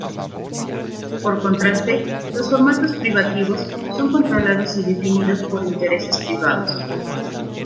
Por contraste, los formatos privativos son controlados y definidos por intereses privados.